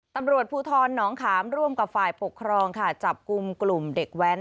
ตำรวจภูทรหนองขามร่วมกับฝ่ายปกครองค่ะจับกลุ่มกลุ่มเด็กแว้น